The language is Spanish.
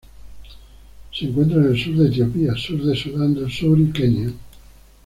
Se encuentra en el sur de Etiopía, sur de Sudán del Sur y Kenia.